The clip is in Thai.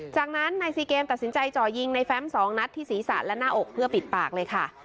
จากนั้นนายซีเกมตัดสินใจจ่อยิงในแฟม๒นัดที่ศีรษะและหน้าอกเพื่อปิดปากเลยค่ะ